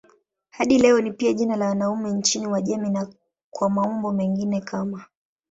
Hadi leo ni pia jina la wanaume nchini Uajemi na kwa maumbo mengine kama